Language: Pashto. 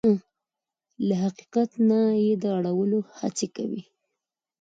له حقیقت نه يې د اړولو هڅې کوي.